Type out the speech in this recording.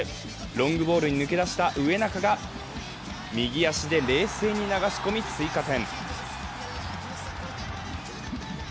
ロングボールに抜け出した植中が右足で冷静に流し込み追加点。